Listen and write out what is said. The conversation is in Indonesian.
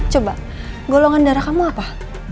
coba golongan darah kamu apa